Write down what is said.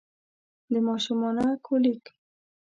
د ماشومانه کولیک